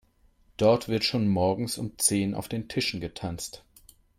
Dort wird schon morgens um zehn auf den Tischen getanzt.